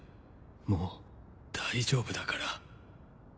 もう大丈夫だから。